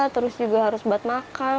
terus juga harus buat makan